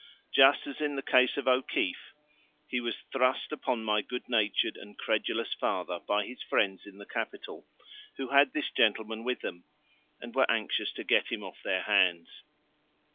Just as in the case of the O'Keefe, he was thrust upon my good natured and credulous father by his friends in the capital, who had this gentleman with them and were anxious to get him off their hands.